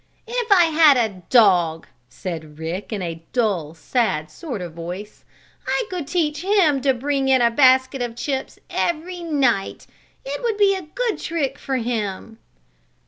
"If I had a dog," said Rick, in a dull, sad sort of voice, "I could teach him to bring in a basket of chips every night. It would be a good trick for him!"